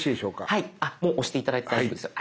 はいもう押して頂いて大丈夫ですよ。